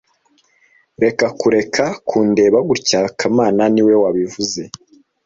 Reka kureka kundeba gutya kamana niwe wabivuze